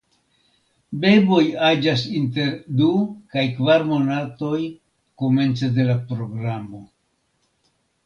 Beboj aĝas inter du kaj kvar monatoj komence de la programo.